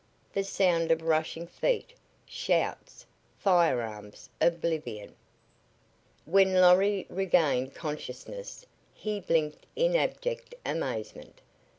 The sound of rushing feet, shouts, firearms oblivion! ........... When Lorry regained consciousness, he blinked in abject amazement.